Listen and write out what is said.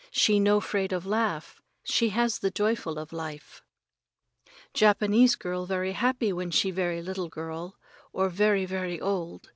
She no 'fraid of laugh. She has the joyful of life. Japanese girl very happy when she very little girl, or very, very old.